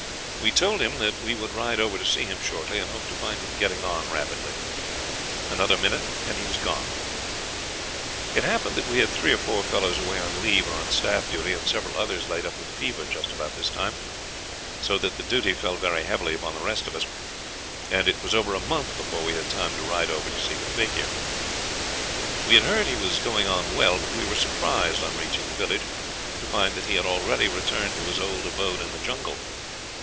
We told him that we would ride over to see him shortly, and hoped to find him getting on rapidly. Another minute and he was gone. "It happened that we had three or four fellows away on leave or on staff duty, and several others laid up with fever just about this time, so that the duty fell very heavily upon the rest of us, and it was over a month before we had time to ride over to see the fakir. "We had heard he was going on well; but we were surprised, on reaching the village, to find that he had already returned to his old abode in the jungle.